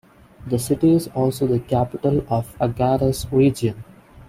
The city is also the capital of the Agadez Region.